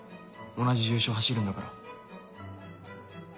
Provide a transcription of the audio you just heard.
同じ重賞を走るんだから。